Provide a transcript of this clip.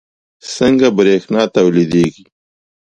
څنګه بریښنا تولیدیږي